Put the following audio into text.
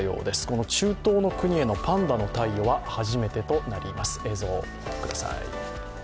この中東の国へのパンダの貸与は初めてとなります。